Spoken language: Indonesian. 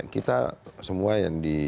kita semua yang di